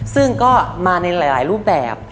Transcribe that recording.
ซึ่งก็มาในหลายรูปแบบ